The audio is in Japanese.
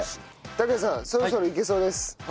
拓也さんそろそろいけそうです。